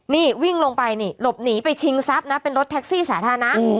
นี่วิ่งลงไปนี่หลบหนีไปชิงทรัพย์นะเป็นรถแท็กซี่สาธารณะ